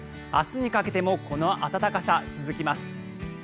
明日にかけてもこの暖かさ続きます。